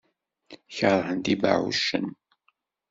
Keṛhent ibeɛɛucen.